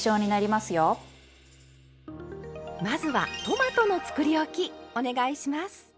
まずはトマトのつくりおきお願いします！